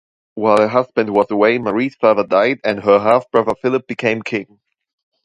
While her husband was away, Marie's father died and her half-brother, Philip, became king.